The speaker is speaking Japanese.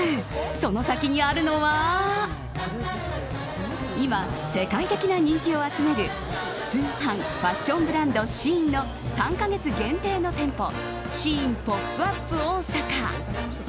その先にあるのは今、世界的な人気を集める通販ファッションブランドＳＨＥＩＮの３か月限定の店舗ＳＨＥＩＮＰＯＰＵＰＯＳＡＫＡ。